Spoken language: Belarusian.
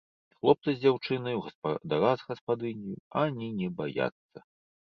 Хлопца з дзяўчынаю, гаспадара з гаспадыняю ані не баяцца.